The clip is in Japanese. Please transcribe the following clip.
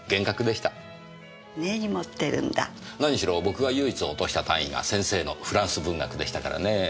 僕が唯一落とした単位が先生のフランス文学でしたからね。